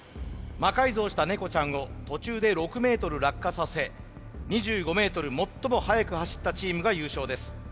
魔改造したネコちゃんを途中で６ｍ落下させ２５ｍ最も速く走ったチームが優勝です。